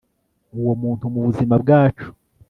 uwo muntu mubuzima bwacu